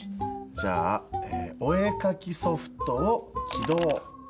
じゃあお絵描きソフトを起動！